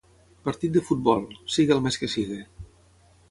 Partit de futbol, sigui al mes que sigui.